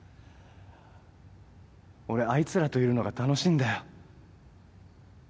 俺あいつらといるのが楽しいんだよ。